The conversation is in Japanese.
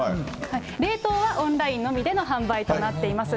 冷凍はオンラインのみでの販売となっています。